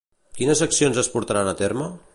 Quines accions es portaran a terme?